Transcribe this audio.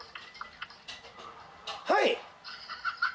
はい！